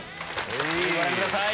ぜひご覧ください。